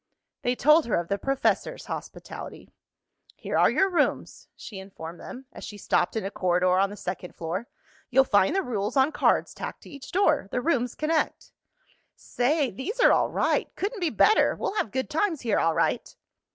They told her of the professor's hospitality. "Here are your rooms," she informed them, as she stopped in a corridor on the second floor. "You'll find the rules on cards tacked to each door. The rooms connect." "Say, these are all right!" "Couldn't be better!" "We'll have good times here all right!"